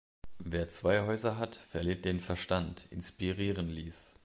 Wer zwei Häuser hat, verliert den Verstand“ inspirieren ließ.